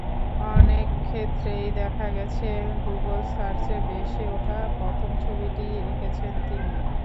অনেক ক্ষেত্রেই দেখা গেছে, গুগল সার্চে ভেসে ওঠা প্রথম ছবিটিই এঁকেছেন তিনি।